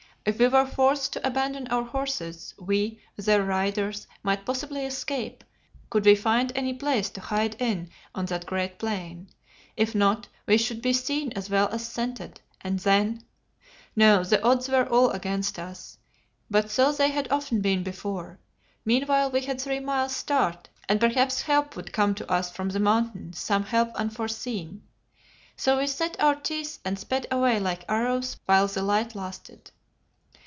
If we were forced to abandon our horses, we, their riders, might possibly escape, could we find any place to hide in on that great plain. If not, we should be seen as well as scented, and then No, the odds were all against us, but so they had often been before; meanwhile we had three miles start, and perhaps help would come to us from the Mountain, some help unforeseen. So we set our teeth and sped away like arrows while the light lasted.